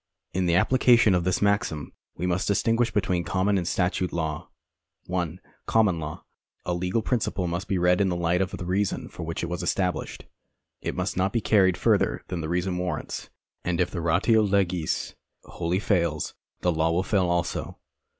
In the application of this maxim wo must distinguish between common and statute law. (1) Common lain. A legal principle must be read in the light of the reason for which it was established. It must not be carried further than this reason warrants, and if the ratio legis wholly fails, the law will fail also.